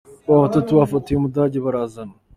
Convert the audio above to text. Batatu bafatiwe mu Budage barazanwa